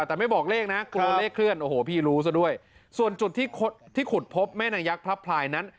แต่ไม่บอกเลขนะกลัวเลขเคลื่อนโอ้โหพี่รู้ซะด้วยส่วนจุดที่ที่ขุดพบแม่นายักษ์พระพลายนั้น